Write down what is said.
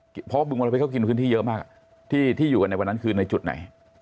เพราะบึงวรเพชรเขากินพื้นที่เยอะมากที่อยู่กันในวันนั้นคือในจุดไหน